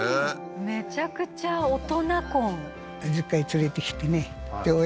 めちゃくちゃ大人婚はい